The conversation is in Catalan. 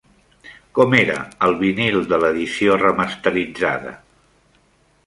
Com era el vinil de l'edició remasteritzada?